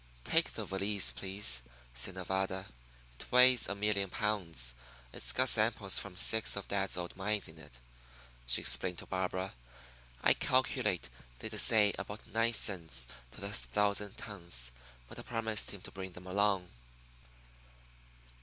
"Take the valise, please," said Nevada. "It weighs a million pounds. It's got samples from six of dad's old mines in it," she explained to Barbara. "I calculate they'd assay about nine cents to the thousand tons, but I promised him to bring them along."